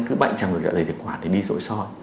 cứ bệnh trầm được trả lời thực quản thì đi rỗi soi